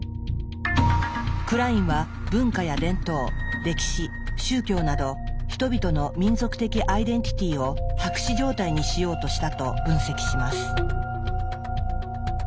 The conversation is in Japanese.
クラインは文化や伝統歴史宗教など人々の民族的アイデンティティーを白紙状態にしようとしたと分析します。